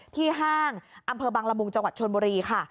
ห้างอำเภอบังละมุงจังหวัดชนบุรีค่ะ